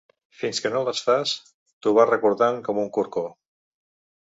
Fins que no les fas, t’ho va recordant com un corcó.